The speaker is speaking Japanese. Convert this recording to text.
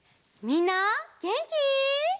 みんなげんき？